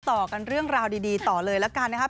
ต่อกันเรื่องราวดีต่อเลยแล้วกันนะครับ